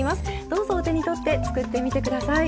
どうぞお手に取って作ってみて下さい。